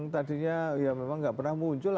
tadinya ya memang nggak pernah muncul